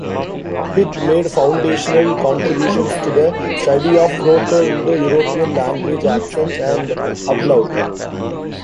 Hirt made foundational contributions to the study of Proto-Indo-European language accent and ablaut.